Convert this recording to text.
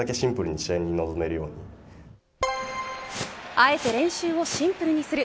あえて練習をシンプルにする。